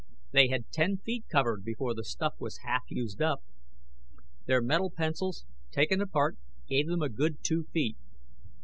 They had ten feet covered before the stuff was half used up. Their metal pencils, taken apart, gave them a good two feet.